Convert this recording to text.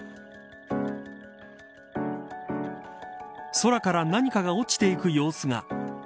空から何かが落ちていく様子が。